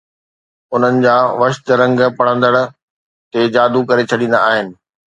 انهن جا وشد رنگ پڙهندڙ تي جادو ڪري ڇڏيندا آهن